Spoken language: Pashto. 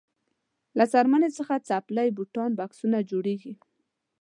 له څرمنې څخه څپلۍ بوټان بکسونه جوړیږي.